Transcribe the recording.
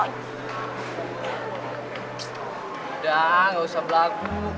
udah gak usah berlaku